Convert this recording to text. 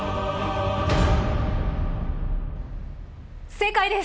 正解です！